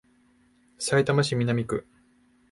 さいたま市南区